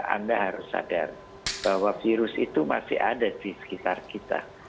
anda harus sadar bahwa virus itu masih ada di sekitar kita